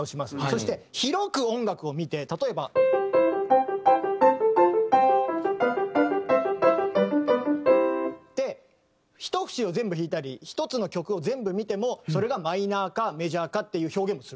そして広く音楽を見て例えば。って１節を全部弾いたり１つの曲を全部見てもそれがマイナーかメジャーかっていう表現もするんですよ。